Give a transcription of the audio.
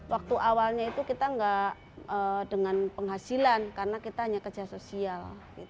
waktu awalnya itu kita nggak dengan penghasilan karena kita hanya kerja sosial